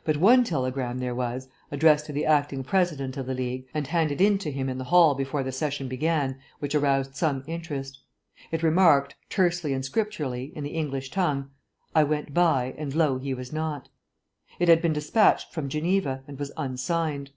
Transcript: _" But one telegram there was, addressed to the acting President of the League, and handed in to him in the hall before the session began, which aroused some interest. It remarked, tersely and scripturally, in the English tongue, "I went by and lo he was not." It had been despatched from Geneva, and was unsigned.